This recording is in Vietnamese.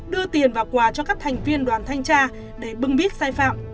đưa tiền và quà cho các thành viên đoàn thanh tra để bưng bít sai phạm